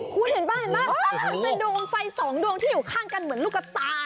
คุณเห็นบ้างเป็นดวงไฟสองดวงที่อยู่ข้างกันหลูกตา